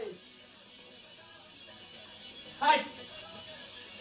はい！